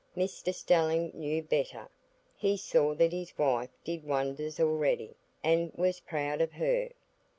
Mr Stelling knew better; he saw that his wife did wonders already, and was proud of her.